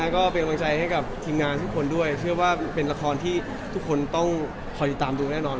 ก็เป็นกำลังใจให้กับทีมงานทุกคนด้วยเชื่อว่าเป็นละครที่ทุกคนต้องคอยติดตามดูแน่นอน